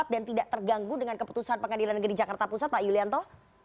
dan tidak terganggu dengan keputusan pengadilan negeri jakarta pusat pak yulianto